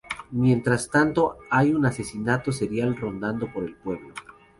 Mientras tanto hay un asesino serial rondando por el pueblo.